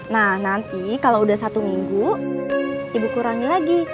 nah nanti kalau udah satu minggu ibu kurangi lagi